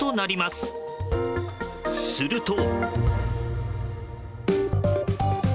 すると。